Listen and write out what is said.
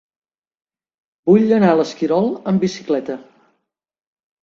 Vull anar a l'Esquirol amb bicicleta.